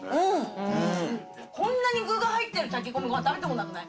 こんなに具が入ってる炊き込みご飯、食べたことなくない？